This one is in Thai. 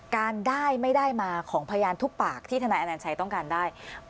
การได้ไม่ได้มาของพยานทุกปากที่ทนายอนัญชัยต้องการได้